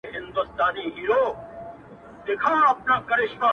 o هغه نن بيا د چا د ياد گاونډى؛